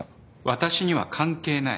私には関係ない。